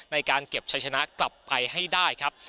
ในการเก็บชัยชนะกลับไปให้ได้ครับ